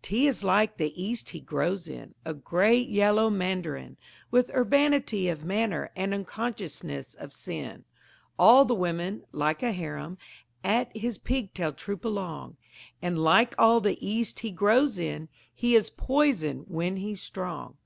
Tea is like the East he grows in, A great yellow Mandarin With urbanity of manner And unconsciousness of sin; All the women, like a harem, At his pig tail troop along; And, like all the East he grows in, He is Poison when he's strong.